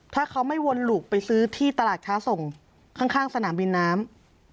ถ้าเขาไม่วนหลุกไปซื้อที่ตลาดช้าส่งข้างสนามบินน้ำ